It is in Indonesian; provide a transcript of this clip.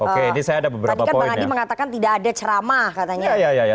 tadi kan bang adi mengatakan tidak ada ceramah katanya